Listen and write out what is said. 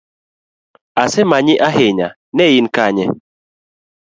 Asemanyi ahinya, nein kanye?